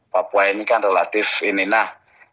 papua ini kan relatif ini nah